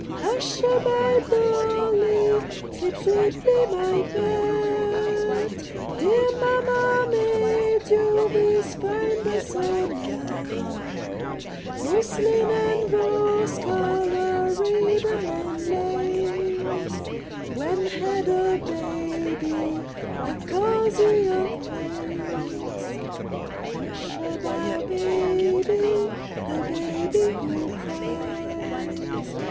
Hush a by Dolly! Sleep sweetly, my pet! Dear Mamma made you this fine berceaunette, Muslin and rose colour, ribbon and lace; When had a baby a cosier place? Hush a by, Baby! the baby who cries.